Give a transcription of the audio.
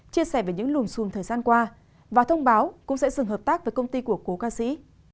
chia sẻ về những lùm xùm thời gian qua và thông báo cũng sẽ dừng hợp tác với công ty của cố ca sĩ